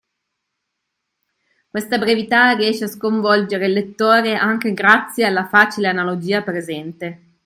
questa brevità riesce a sconvolgere il lettore anche grazie alla facile analogia presente.